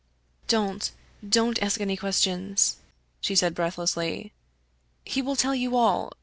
" Don't — don't ask me any questions," she said breath lessly. " He will tell you all.